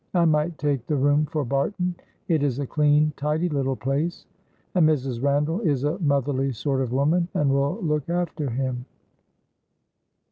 I might take the room for Barton, it is a clean, tidy little place. And Mrs. Randall is a motherly sort of woman, and will look after him."